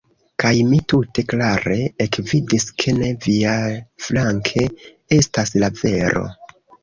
Kaj mi tute klare ekvidis, ke ne viaflanke estas la vero!